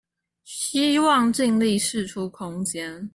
希望盡力釋出空間